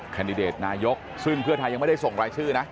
แดดิเดตนายกซึ่งเพื่อไทยยังไม่ได้ส่งรายชื่อนะ